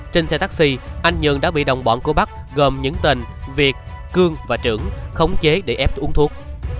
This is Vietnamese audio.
trên xe taxi anh nhượng đã bị đồng bọn của bắc gồm những tên việt cương và trưởng khống chế để ép uống thuốc